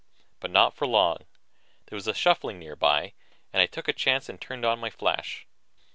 But not for long there was a shuffling nearby and I took a chance and turned on my flash.